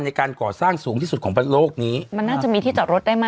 ในการก่อสร้างสูงที่สุดของโลกนี้มันน่าจะมีที่จอดรถได้ไหม